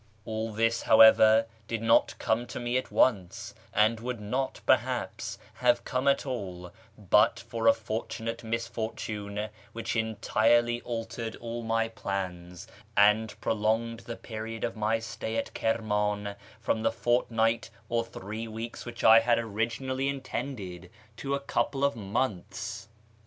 All this, however, did not come to me at once, and would not, perhaps, have come at all but for a fortunate misfortune which entirely altered all my plans, and prolonged the period of my stay at Kirman from the fortnight or three weeks which I had originally intended to a couple of months.